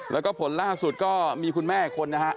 แล้วก็ผลล่าสุดก็มีคุณแม่อีกคนนะฮะ